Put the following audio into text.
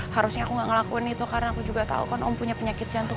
harusnya aku gak ngelakuin itu karena aku juga tahu kan om punya penyakit jantung